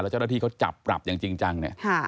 เจ้าหน้าที่เขาจับปรับอย่างจริงจังเนี่ย